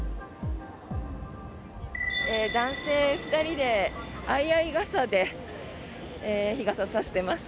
男性２人で相合い傘で日傘を差してます。